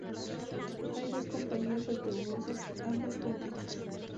Hay dos compañías de autobuses, ambas públicas.